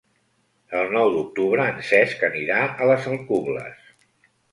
El nou d'octubre en Cesc anirà a les Alcubles.